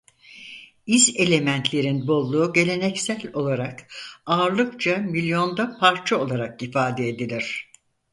İz elementlerin bolluğu geleneksel olarak ağırlıkça milyonda parça olarak ifade edilir.